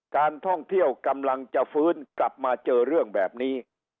การท่องเที่ยวกำลังจะฟื้นกลับมาเจอเรื่องแบบนี้